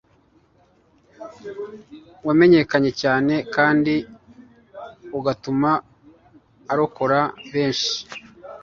wamenyekanye cyane kandi agatuma arokora besnhi